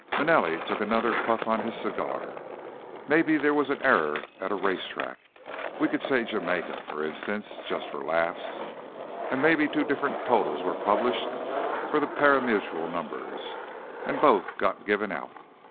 Manelli took another puff on his cigar. "Maybe there was an error at a racetrack—we could say Jamaica, for instance, just for laughs. And maybe two different totals were published for the pari mutuel numbers, and both got given out.